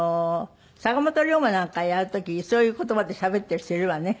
坂本龍馬なんかやる時そういう言葉でしゃべってる人いるわね。